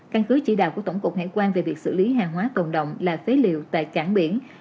căn cứ chỉ đạo của tổng cục hải quan về việc xử lý hàng hóa cộng đồng là phế liệu tại cảng biển